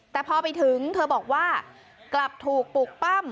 แต่พอไปถึงเธอบอกว่ากลับถูกปลูกปั้ม